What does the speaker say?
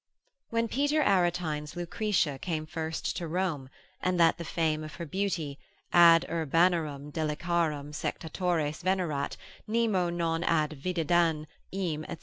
When Peter Aretine's Lucretia came first to Rome, and that the fame of her beauty, ad urbanarum deliciarum sectatores venerat, nemo non ad videndam eam, &c.